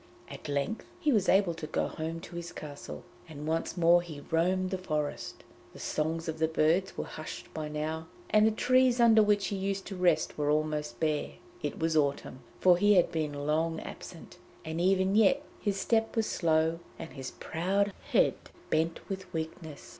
At length he was able to go home to his castle, and once more he roamed the forest. The songs of the birds were hushed by now, and the trees under which he used to rest were almost bare. It was autumn, for he had been long absent, and even yet his step was slow and his proud head bent with weakness.